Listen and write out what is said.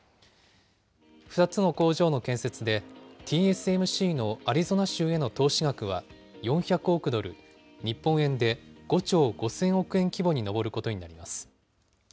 ２つの工場の建設で、ＴＳＭＣのアリゾナ州への投資額は４００億ドル、日本円で５兆５０００億円規模に上ることになります。